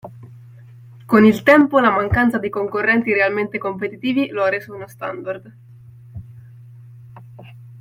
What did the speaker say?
Con il tempo la mancanza di concorrenti realmente competitivi lo ha reso uno standard.